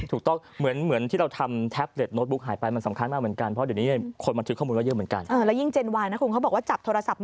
อู๋ชีวิตชั้นชีวิตพังด้วยนะครับ